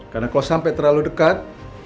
karena kalau sampai terlalu dekat